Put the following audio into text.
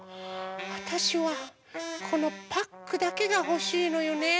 あたしはこのパックだけがほしいのよね。